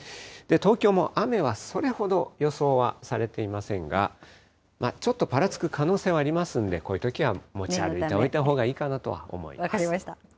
東京も雨はそれほど予想はされていませんが、ちょっとぱらつく可能性はありますので、こういうときは持ち歩いておいたほうがいい分かりました。